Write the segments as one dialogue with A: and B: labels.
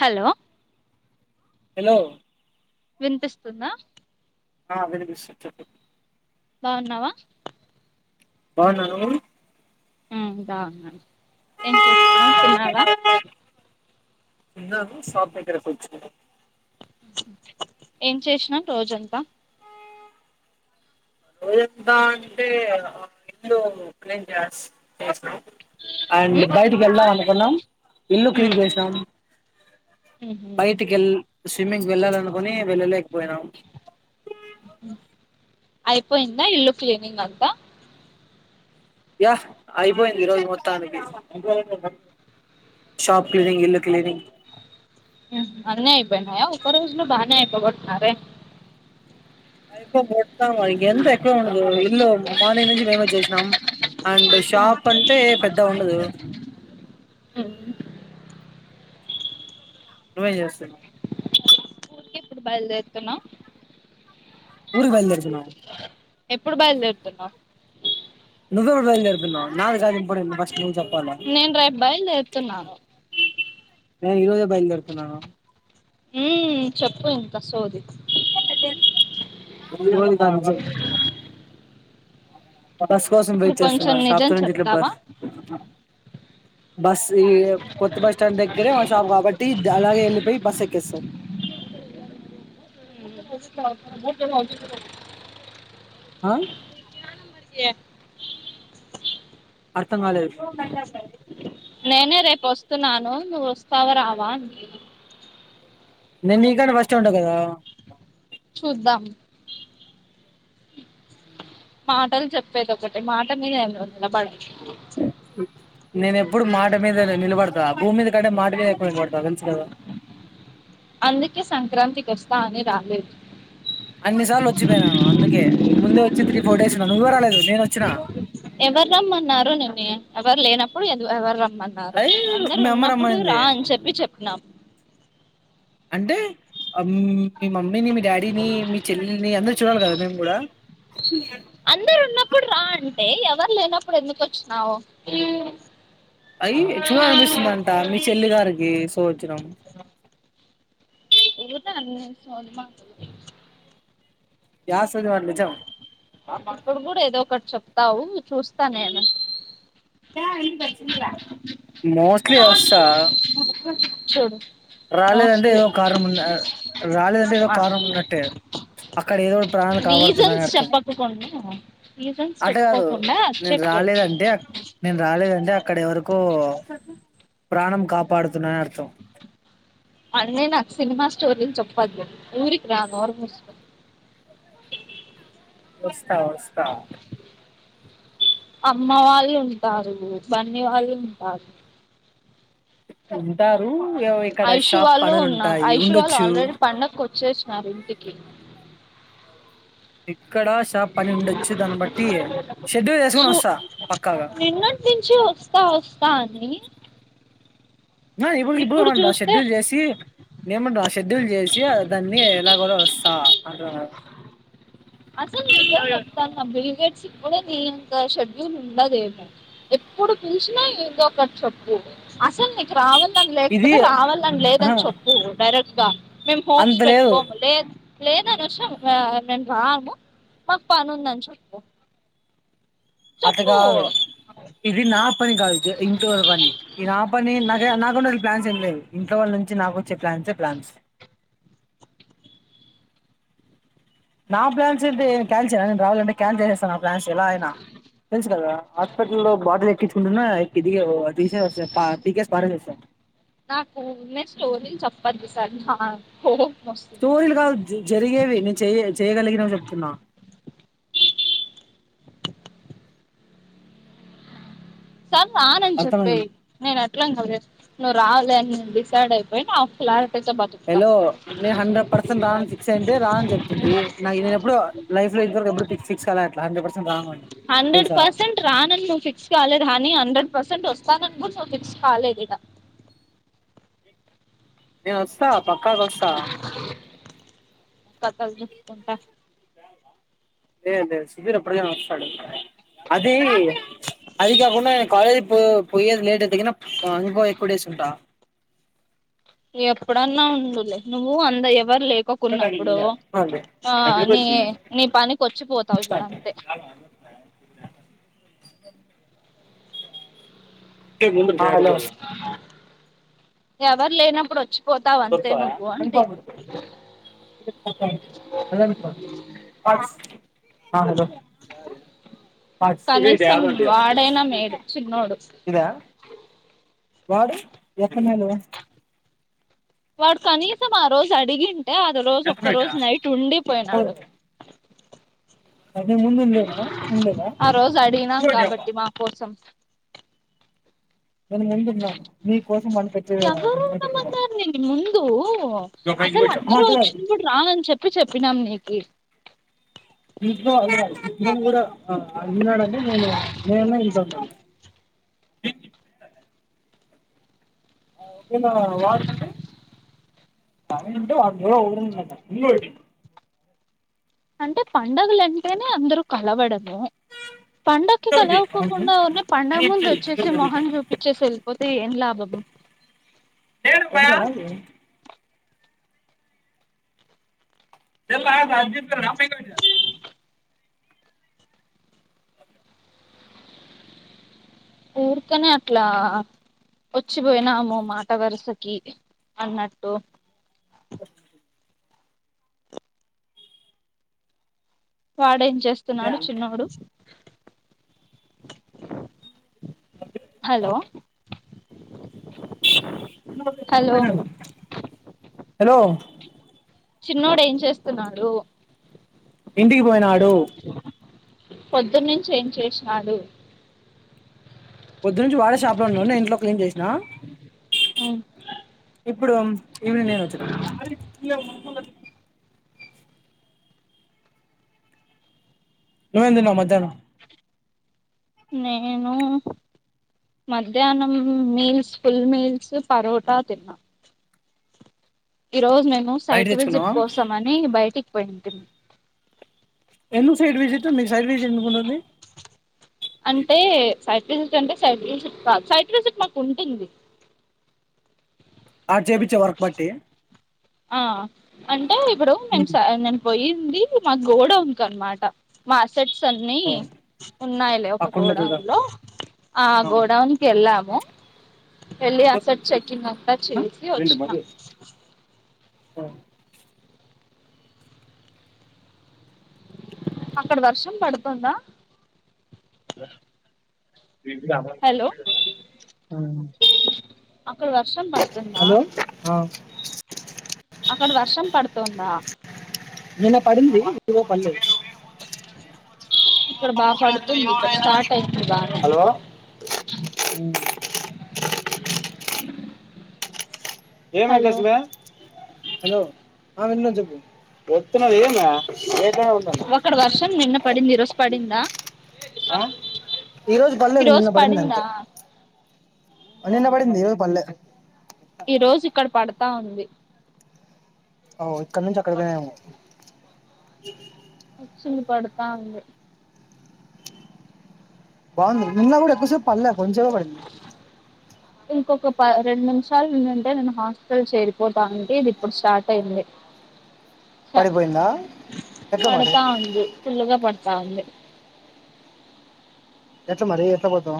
A: Hello
B: hello
A: విన్పిస్తుందా
B: ఆ వినిపిస్తుంది చెప్
A: బానవ
B: బన్నా నువ్వు
A: బాగునండి ఏం చేస్తున్నావు తినవా
B: [unintelligible]
A: ఏం చేసినవు రోజంతా
B: రోజంతా అంటే ఆ ఇల్లు [unintelligible] అండ్ బయ [unintelligible] [unintelligible] ఇల్లు క్లీన్ చేసాం
A: హు హు
B: స్విమ్మింగ్ వెళ్ళాలనుకుని వెళ్ళలేకపోయినాం
A: అయిపోయింద ఇల్లు క్లీనింగ్ అంత
B: యా అయిపోయింది ఈ రోజు మొత్తానికి షాప్ క్లీనింగ్ ఇల్లు క్లీనింగ్
A: అన్ని అయిపోయినాయా ఒక్క రోజులు బానే అయిపోగొట్నారే
B: అయిపో ఇంక ఎంత ఎక్కువ ఉండదు ఇల్లు మార్నింగ్ నుంచి మేమే చ్చేసినాం అండ్ షాప్ అంటే పెద్ద ఉండదు నువ్వేం చేస్తన్నావ్
A: ఊరికి ఎప్పుడు బయల్దేరుతున్నావు
B: ఊరుకి బయలుదే తునవ్
A: ఎప్పుడు బయలుదేరుతున్నావు
B: [unintelligible] ప్పల్ల
A: నేను రేపు బయలుదేరుతున్నాను
B: ఈ రోజె బైలుదేరుతున్నాను
A: ఉమ్ చెప్పు ఇంకా సోది
B: ఇంద ఆ బస్ కోసం
A: ఇప్పుడు
B: వెయిట్
A: కొంచెం
B: చేస్తున్నారు సాప్
A: నిజం
B: చెనుంచిట్లా
A: చెప్తావా
B: బస్ బస్ ఈ కొత్త బస్ స్టాండ్ దగ్గరే షాప్ కాబట్టి అలాగెళ్ళలిపోయ్ బస్ ఎక్కేస్తాం
A: ట
B: ఆ
A: య
B: అర్థం కాలేదు
A: నేనే రేపొస్తున్నాను నువ్ స్తావా రావాని
B: నే నీకంటే ఫస్టే ఉంటా గదా
A: చూద్దాం మాటలు చెప్పేదొకటి మాట మీద ఏం నిలబద్
B: నేతం ప్పుడు మాట మీద నిలబడతా భూమి మీద కంటే మాట మీదే ఎక్కువ నిలబడతా తెలుసు కదా
A: అందుకే సంక్రాంతికొస్తా అని రాలేదు
B: అన్ని సార్లు వచ్చిపోయినాను అందుకే ముందే వచ్చి త్రి ఫోర్ డేసున నువ్వే రాలేదు నేనొచ్చినా
A: ఎవర్రమ్మన్నారు నిన్ని ఎవరు లేనప్పుడు ఎట్లార్రరా రమ్మన్నారు
B: అయి
A: అందరు
B: మీ అమ్మ
A: ఉన్నప్పుడు
B: రమ్మనింది
A: రా అని చెప్పి చెప్ నా
B: అంటే అ మీ మమ్మీని మీ డాడీని మీ చెల్లిని అందరు చూడాలి గదా మేము గూడా
A: అందరున్నప్పుడు రా అంటే ఎవరు లేనప్పుడు ఎందుకొచ్చినవ్
B: అయి చూడలనిపిస్తుందంట మీ చెల్లి గారికి పాచ్చనమ
A: ఒగత అనన్ని సౌండ్ మాక్షులు
B: యా శనివారలిచాం
A: అక్కడ గూడా ఏదో ఒకటి చెప్తావు చూస్తా నేను
B: ఇ పయి ఇలా మోస్ట్లీ వస్సా
A: చూడు
B: రాలేదంటే
A: మోస్ట్లీ
B: ఏదో కారణం ఉన్న రాలేదంటే ఏదో కారణం ఉన్నట్టే అక్కడ ఏదో ప్రాణాలు కాపాడుతున్నాని
A: రీజన్స్
B: అర్థం
A: చెప్పకుండా రీజన్స్
B: అట్ట గాదు
A: చెప్పుకోకుండా వచ్చే
B: నేను
A: ట్రై చెయ్
B: రాలేదంటే నేను రాలేదు టే అక్కడవరకు ప్రాణం కాపాడుతున్నని అర్థం
A: మళ్ళీ నాకు సినిమా స్టోరీ చెప్పొద్దు ఊరికి రా నోరుమూసుకుని
B: వ స్ వస్తా వస్తా
A: అమ్మ వాళ్ళు ఉంటారు బన్ని వాళ్ళు ఉంటారు
B: ఉంటారు ఎవ్ ఇక్కడ
A: ఐషు
B: షాప్
A: వాళ్ళు ఉన్నారు
B: పనులుంటాయి
A: ఐషు వాళ్ళు
B: ఉండొచ్చు.
A: ఆల్రెడీ పండకు వచ్చేసినారు ఇంటికి
B: ఇక్కడ షాప్ పని ఉండొచ్చు దాన్ని బట్టి షెడ్యూల్ చేసుకొని
A: సు
B: వస్తా పక్కాగా
A: నిన్నటి నుంచి వస్తా వస్తా అని
B: నా ఇప్పుకి ఇ పో
A: ఇప్పుడు
B: మ
A: చూస్తే
B: షెడ్యూల్ చేసి నేమంట షెడ్యూల్ చేసి దాన్ని ఎలాగో వస్తా అంట
A: అసలు న చెా నా బ్రిగేడ్స్ ఇప్పుడ నీ ఇంత షెడ్యూల్ ఉండదేంటిో ఎప్పుడు పిలిచినా ఏదో ఒకటి చప్పు అసలు నీకు రావాల
B: ఇది
A: లేకపోతే రావాలని
B: ఆహా
A: లేదని చెప్పు డైరెక్ట్ క మేమ్ హోప్స్
B: అంత లేదు
A: పెట్టుకోములే లేదానుషం [unintelligible] బాబు మాకు పనుందని చెప్పు
B: అట
A: చెప్పు
B: గాదు ఇది నా పని కాదు ఇంటిర పని నా పని నాక నాకున్న అసలు ప్లాన్స్ ఏం లేదు ఇంట్ వాళ్ళ నుంచి నాకు చెప్ప ప్లాన్స్ ప్లాన్స్ నా ప్లాన్ తెతే నే క్యాన్ల్ చేయను నేను రావాలంటే క్యాన్ల్ చేస్తాను ఆ ప్లాన్స్ ఎలా ఆయన తెలుసు కదాస్పిటల్లో బాటలు ఎక్కించుకుంటున్నా ఇది తీసే పార్టీ కె పకెస్ ప సార్
A: నాకు ఉన్న స్టోరీలు చెప్పద్దు సార్ నా కు
B: స్టోరీలు కాదు జ జరిగేవి నేను చేయ చేయగలిగినవి చెప్తున్నా
A: సార్ రానని చెప్పేయి
B: అర్థమైంది
A: నేను ఎట్లా కవర నువ్వు రావాల అని డిసైడ్ అయిపోయి నా ప్లాన్
B: హలో నేను హండ్రెడ్ పర్సెంట్ రాని ఫిక్స్ అయింటే రా అని చెప్తుంటినా నేను ఎప్పుడు లైఫ్ లో ఇవరకు ఎప్పుడు ఫిక్స్ కాల అ [unintelligible]
A: హండ్రెడ్ పర్సెంట్ రానని నువ్వు ఫిక్స్ కాలేదు హని హండ్రెడ్ పర్సెంట్ వస్త స్తానని గూడ నీవు ఫిక్స్ కాలేదిగా
B: నేన్ వస్తా పక్కాగ వస్తా
A: కథల్ జెప్పకే
B: లే లేదు సుబీర్ ఎప్పుడుక అది అది కాకుండా కాాలేజ్ పో పోయ్యే లేట్ ఎత ఇంకో ఎక్కువ డేస్ ఉంటా
A: ఎప్పుడన్నా ఉండులే నువ్వు అంద జెప్పు ఎవరు
B: అదే
A: లేకోకున్నప్పుడు
B: ఆ
A: ఆ నీ నీ పనినికి వచ్చిపోతావు చూడ అంతే
B: ఇంటి ముందు హలో
A: ఎవరు లేనప్పుడు వచ్చు
B: కాపడతాయ [unintelligible] ఆ హలో
A: కనీసం వాడైనా మేలు చిన్నోడు
B: ఇదా వాడు ఎట్ట మేలు
A: వాడు కనీసం ఆరోజ్ అడిగిం అంటే ఆ రోజు ఒక్క రోజు నైట్ ఉండిపోయినాడు
B: ముందు ఉండలేదా
A: ఆ రోజు అడిగినాం కాబట్టి
B: ఉండలేదా
A: మా కోసం
B: నేను ముందున్నాను నీ కోసం కనిపెట్టే ఆ
A: ఎవరు
B: అటు
A: ఉన్నామన్నారు నీ ముందు అసలు అందరూ
B: కాదు
A: వచ్చినప్పుడు రానని చెప్పి చెప్పినాం నీకు
B: ఇంట్లో వాల్ ఇప్పుడు కూడా ఆ అడిగిన్నాడడి నేను నేనే ఇంట్లో న్నా అవు ఏనా వారుండి [unintelligible]
A: అంటే పండగలు అంటేనే అందరుూ కలవడం పండగకి
B: ఇంకోటి అవును.
A: కలకోకుండా ఉనే పండగ
B: అని
A: ముందు
B: ఇచ్చి
A: వచ్చేసి
B: లేదు
A: మొహన్ చూపించేసి వెళ్ళిపోతే ఏం లాభం
B: భయా ఏం బా అర్జెంట్ మీ కదా
A: ఊరికనే అట్లా వచ్చిపోయినాము మాట వరుసకి అన్నట్టు
B: అఓ
A: వాడే చేస్తున్నాడు చిన్నడు హలో హలో
B: పోయినారు హలో
A: చిన్నోడు ఏం చేస్తున్నాడు
B: ఇంటికి పోయినాడు
A: పొద్దున్న నుంచి ఏం చేసినాడు
B: పొద్దునుంచి వాడే షాప్ లో ఉన్నాడు ఇంట్లో క్లీన్ చేసినా ఇప్పుడు ఈవినింగ్ నేను వచ్చిన నువేంది న్నావ్ మధ్యానం
A: నేను మధ్యాహ్నం మీల్స్ ఫుల్ మీల్స్ పరోటా తిన్నా ఈరోజు నేను
B: బయట
A: సైట్ విజిట్
B: తెచ్చుకున్నావా
A: కోసంమని బయటికి పయింత
B: ఎందు సైడ్ విజిట్ మీకు సైడ్ విజిట్ ఎకుంటుంది
A: అంటే సైట్ విజిట్ అంటే సైట్ విజట్ సైట్ విజిట్ మాకు ఉంటుంది
B: ఆక్షేపించ వర్క్ పట్టి
A: ఆ అంత ఇవడన్ పోయి ఉంది మా గోడ ఉక అనమాట మా సెట్స్ అన్నీ
B: ఓ
A: ఉన్నాయిలే ఒక
B: అక్కడనే చూద్దాం
A: గోడౌన్లో ఆ గోడౌన్కి వెళ్ళాము వెళ్ళి ఆ సెట్ చెకింగ్ అంతా చేసి వచ్చినాము
B: ఆ
A: అక్కడ వర్షం పడుతుందా
B: బ
A: హలో అక్క వర్షం పడుతుందా
B: హలో
A: అక్కడ వర్షం పడుతు ందా
B: నిన్న పడింది ఇరోజు పడలేదు
A: ఇక్కడ బా పడుతుంది ఇక్కడ స్టార్ట్ అయింది బాగా
B: హలో ఏం
A: హలో
B: అకాతువ హలో ఆ విన్న చెప్పు వస్తున్నది ఏం
A: ఒకడు వర్షం నిన్న పడింది ఈరోజు పడిందా
B: ఈ రోజు పడలేదు
A: ఈరోజు
B: నిన్న పడింది
A: పడిందా
B: అంతే నిన్న పడింది ఏవో పల్లె
A: ఈ రోజు ఇక్కడ పడతా ఉంది
B: ఓ ఇక్కడ నుంచి అక్కడ పోయినాముో
A: వచ్చింది పడుతా ఉంది
B: బాగుంది నిన్న కూడా ఎక్కువసేపు పడలే కొంచంంచేవా పడింది
A: ఇంకొక రెండు నిమిషాలు ఉందంటే నేను హాస్టల్ చేరిపోవటానికి ఇది ఇప్పుడు స్టార్ట్ అయింది
B: పడిపోయిందా ఎట్లా మరి
A: పడతా ఉంది పల్గా పడత అను
B: ఎంత మరి ఎత్త పోతం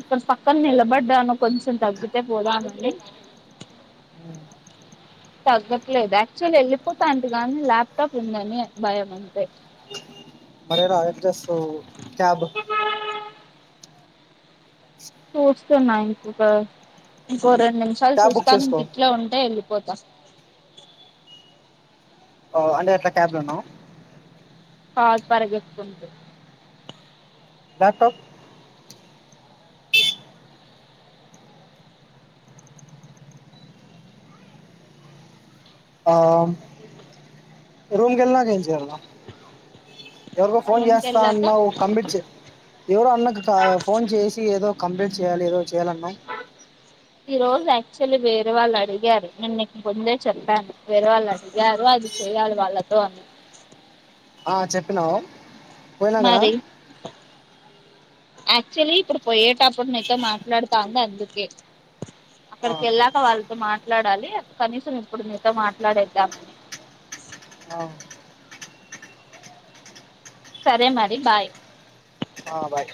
A: ఇక్కడ పక్కన నిలబడ్డాను కొంచెం తగ్గితే పోదానండి తగ్గట్లేదు యాక్చువల్ వెళ్ళిపోతా అంటగానీ ల్యాప్టాప్ ఉందని భయం అంతే
B: మరరా ఎడ్రెస్ క్యాబ్
A: చూస్తున్నా ఇంకొక ఇంకొర న్ని నిమిషాలు
B: క్యాబ్ బుక్
A: చూస్తాను ఇం
B: చేసుకో
A: ఇట్లో ఉంటే వెళ్ళి పోత
B: ఓ అంటే అట్ల క్యాబ్ లోన్నావ్
A: కాచ్ పార్గెత్కుంటూ
B: ల్యాప్టాప్ ఆమ్ రూమ్ గెల్నాక్ ఎం చేయల్న ఎవర్కో ఫోన్
A: రూమ్కి
B: చేస్తా
A: వెళ్ళాక
B: అన్నావ్. కంబిట్ చే ఎవరో అన్నక్ కయ్ ఫోన్ చేసి ఏదో కంప్లీట్ చేయాలి ఏదో చేయ్యాలన్నావ్.
A: ఈ రోజు యాక్చువల్లీ వేరే వాళ్ళు అడిగారు. నేన్ నిక్ ముందే చెప్పాను. వేరే వాళ్ అడిగారు అది చేయాలి వాళ్ళతో అని.
B: ఆ చెప్పినావ్
A: మారి యాక్చువల్లీ ఇప్పుడు పోయేటప్పుడు నీతో మాట్లాడుతాంది అందుకే
B: ఆ
A: అక్కడ్క్ ఎళ్ళాక వాళ్ మాట్లాడాలి కనీసం ఇప్పుడు నీతో మాట్లాడెద్దాం అని
B: ఆ
A: సరే మరి బాయ్
B: ఆ బాయ్